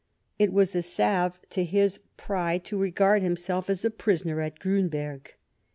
It was a salve to his pride to regard himself as a prisoner at Griinberg.